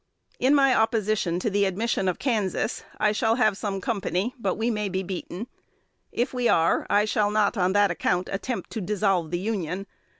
In my opposition to the admission of Kansas, I shall have some company; but we may be beaten. If we are, I shall not, on that account, attempt to dissolve the Union.